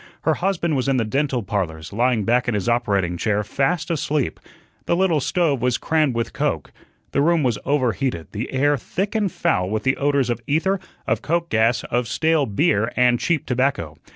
Her husband was in the "Dental Parlors," lying back in his operating chair, fast asleep. The little stove was crammed with coke, the room was overheated, the air thick and foul with the odors of ether, of coke gas, of stale beer and cheap tobacco.